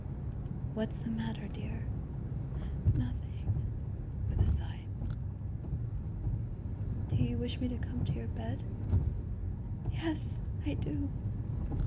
"What is the matter, dear?" "Nothing," with a sigh. "Do you wish me to come to your bed?" "Yes, I do."